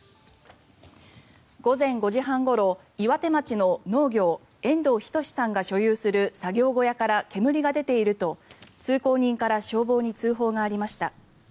午前５時半ごろ、岩手町の農業遠藤等さんが所有する作業小屋から煙が出ていると通行人から消防に通報がありました。